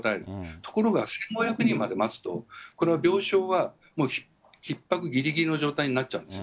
ところが１５００人ぐらいまで待つと、これは病床は、もうひっ迫ぎりぎりの状態になっちゃうんですよ。